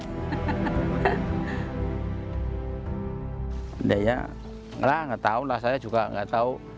sebenarnya enggak tahu lah saya juga enggak tahu